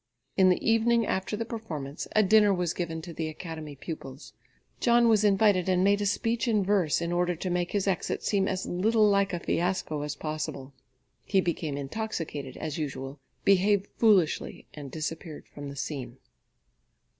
In the evening after the performance, a dinner was given to the Academy pupils. John was invited and made a speech in verse in order to make his exit seem as little like a fiasco as possible. He became intoxicated, as usual, behaved foolishly and disappeared from the scene.